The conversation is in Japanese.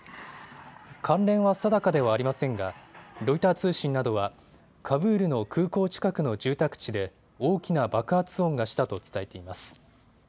関連は定かではありませんがロイター通信などはカブールの空港近くの住宅地で大きな爆発音がしたと伝えています。